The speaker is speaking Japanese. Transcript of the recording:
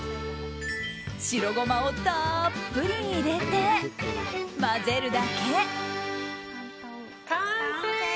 白ゴマをたっぷり入れて混ぜるだけ。